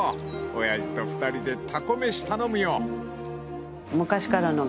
［親父と２人でたこ飯頼むよ］